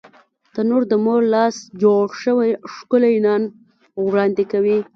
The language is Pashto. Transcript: تنور د مور لاس جوړ شوی ښکلی نان وړاندې کوي